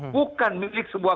bukan milik sebuah